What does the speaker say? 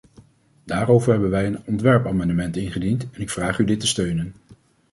Daarover hebben wij een ontwerpamendement ingediend, en ik vraag u dit te steunen.